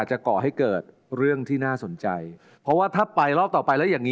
แต่คุณเล่นที่คุณ